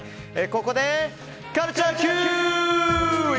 ここで、カルチャーＱ！